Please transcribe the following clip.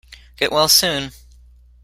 Get well soon!